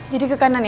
jadi ke kanan ya